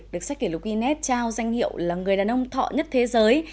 được sách kỷ lục guinness trao danh hiệu là người đàn ông thọ nhất thế giới